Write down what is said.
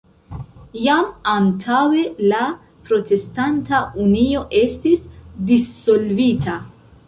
Jam antaŭe la Protestanta Unio estis dissolvita.